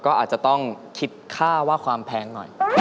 ก็อาจจะต้องคิดค่าว่าความแพงหน่อย